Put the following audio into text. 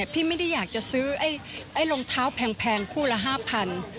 พี่ไม่ได้อยากจะซื้อรองเท้าแพงคู่ละ๕๐๐บาท